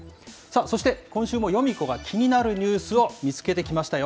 そして、今週もヨミ子が気になるニュースを見つけてきましたよ。